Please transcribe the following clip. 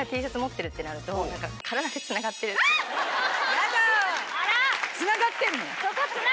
やだ。